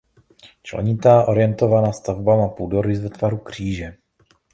Členitá orientovaná stavba má půdorys ve tvaru kříže.